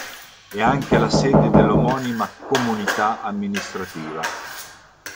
È anche la sede dell'omonima Comunità amministrativa.